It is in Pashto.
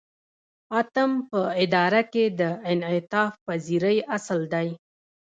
اتم په اداره کې د انعطاف پذیری اصل دی.